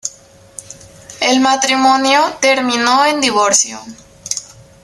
El matrimonio terminó en divorcio.